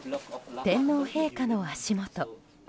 天皇陛下の足元。